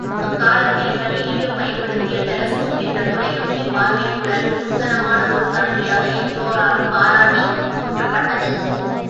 அக்காலத்தில் கலீலியோ பயன்படுத்திய டெலஸ்கோப் என்ற தொலைநோக்கிப் பார்வைக் குழல் நூதனமான ஒரு கருவியாக எல்லோராலும் பாராட்டிப் போற்றப்பட்டது.